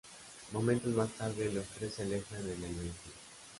Momentos más tarde, los tres se alejan en el vehículo.